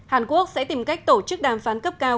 hàn quốc sẽ tìm cách tổ chức đàm phán cấp cao